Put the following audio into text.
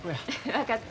分かった。